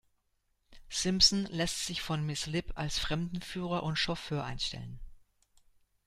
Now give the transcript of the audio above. Simpson lässt sich von Miss Lipp als Fremdenführer und Chauffeur einstellen.